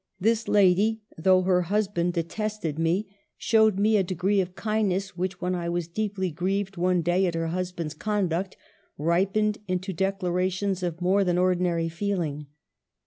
This lady (though her husband detested me) 1 62 EMILY BRONTE. showed me a degree of kindness which, when I was deeply grieved one day at her husband's conduct, ripened into declarations of more than ordinary feeling.